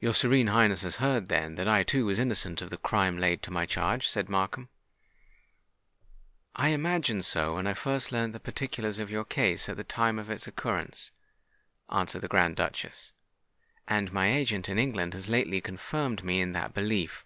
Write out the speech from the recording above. "Your Serene Highness has heard, then, that I too was innocent of the crime laid to my charge?" said Markham. "I imagined so when I first learnt the particulars of your case at the time of its occurrence," answered the Grand Duchess; "and my agent in England has lately confirmed me in that belief.